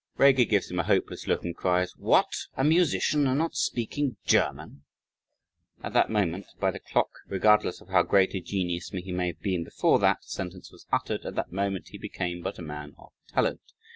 Reger gives him a hopeless look and cries: "What! a musician and not speak German!" At that moment, by the clock, regardless of how great a genius he may have been before that sentence was uttered at that moment he became but a man of "talent."